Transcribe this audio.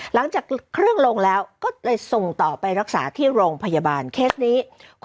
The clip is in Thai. หลังจากเครื่องลงแล้วก็เลยส่งต่อไปรักษาที่โรงพยาบาลเคสนี้